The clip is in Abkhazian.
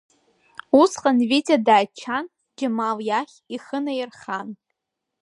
Усҟан Витиа дааччан, Џьамал иахь ихы наирхан…